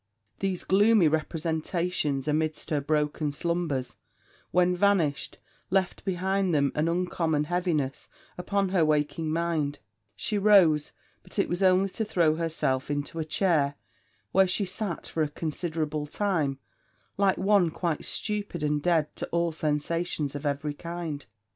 These gloomy representations, amidst her broken slumbers, when vanished, left behind them an uncommon heaviness upon her waking mind: she rose, but it was only to throw herself into a chair, where she sat for a considerable time, like one quite stupid and dead to all sensations of every kind.